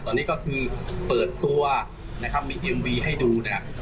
ตอนนี้ก็คือเปิดตัวนะครับมีเอ็มวีให้ดูเนี่ย